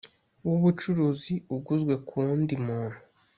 w ubucuruzi uguzwe ku wundi muntu